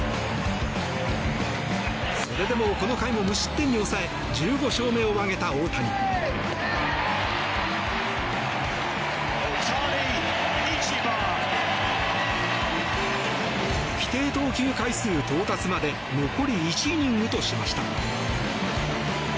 それでも、この回も無失点に抑え１５勝目を挙げた大谷。規定投球回数到達まで残り１イニングとしました。